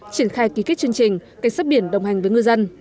triển khai ký kết chương trình cảnh sát biển đồng hành với ngư dân